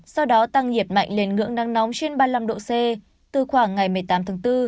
sau đó tăng nhiệt mạnh lên ngưỡng nắng nóng trên ba mươi năm độ c từ khoảng ngày một mươi tám tháng bốn